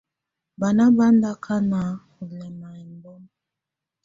Bana bà nɔ̀ akana ɔ̀ lɛma ɛmbɔma.